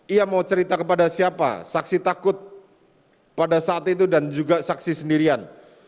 ia mau cerita kepada siapa saksi takut pada saat itu dan juga saksi sendirian